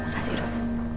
terima kasih dok